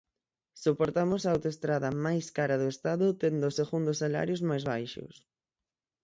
Soportamos a autoestrada máis cara do Estado tendo os segundos salarios máis baixos.